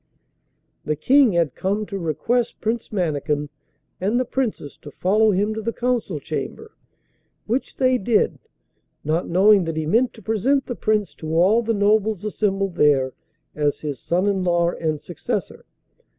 The King had come to request Prince Mannikin and the Princess to follow him to the Council Chamber, which they did, not knowing that he meant to present the Prince to all the nobles assembled there as his son in law and successor.